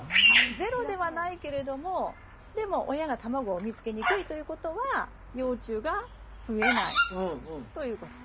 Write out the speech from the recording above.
ゼロではないけれどもでも親が卵を産みつけにくいということは幼虫が増えないということ。